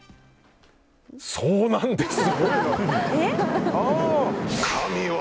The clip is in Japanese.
そうなんです！